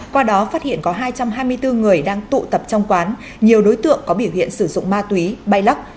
qua đó phát hiện có hai trăm hai mươi bốn người đang tụ tập trong quán nhiều đối tượng có biểu hiện sử dụng ma túy bay lắc